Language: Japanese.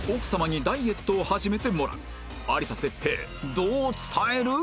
有田哲平どう伝える？